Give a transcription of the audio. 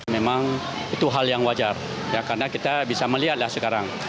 memang itu hal yang wajar karena kita bisa melihatlah sekarang